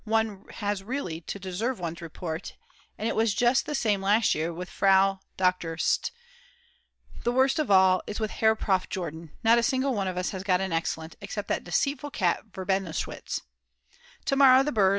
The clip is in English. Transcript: one has really to deserve one's report, and it was just the same last year with Fr. Dr. St. The worst of all is with Herr Prof. Jordan. Not a single one of us has got an Excellent except that deceitful cat Verbenowitsch. To morrow the Brs.